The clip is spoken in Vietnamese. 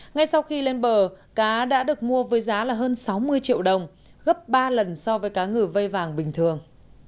ngay sau khi lên bờ cá đã được mua với giá là hơn sáu mươi triệu đồng gấp ba lần so với cá ngừ vây vàng bình thường